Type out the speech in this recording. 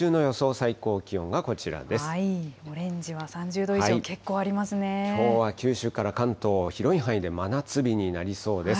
最高気温がこちオレンジは３０度以上、結構きょうは九州から関東、広い範囲で真夏日になりそうです。